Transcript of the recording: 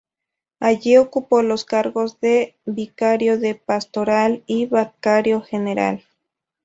Allí ocupó los cargos de vicario de pastoral y vicario general.